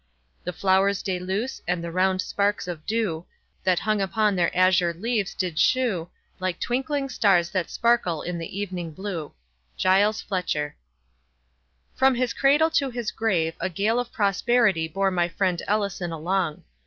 The flowers de luce, and the round sparks of dew That hung upon their azure leaves did shew Like twinkling stars that sparkle in the evening blue. —Giles Fletcher. From his cradle to his grave a gale of prosperity bore my friend Ellison along.